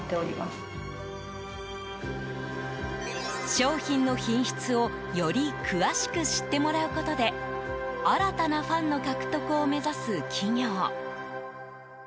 商品の品質をより詳しく知ってもらうことで新たなファンの獲得を目指す企業。